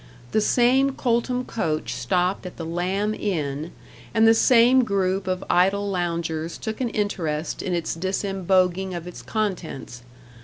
The same Coltham coach stopped at the Lamb Inn, and the same group of idle loungers took an interest in its disemboguing of its contents.